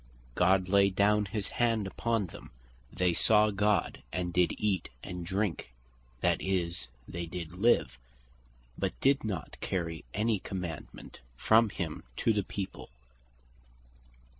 "God laid not his hand upon them, they saw God and did eat and drink" (that is, did live), but did not carry any commandement from him to the people.